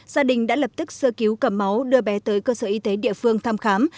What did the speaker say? gia đình đã lập tức sơ cứu cầm máu đưa bé tới cơ sở y tế địa phương thăm khám